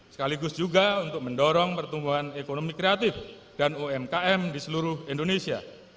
sekaligus juga untuk mendorong pertumbuhan ekonomi kreatif dan umkm di seluruh indonesia